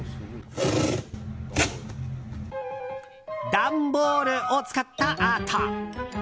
段ボールを使ったアート。